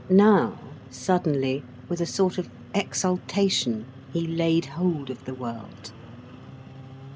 Now, suddenly, with a sort of exultation, he laid hold of the world.